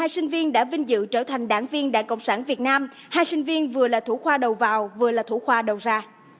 một mươi sinh viên đã vinh dự trở thành đảng viên đảng cộng sản việt nam hai sinh viên vừa là thủ khoa đầu vào vừa là thủ khoa đầu ra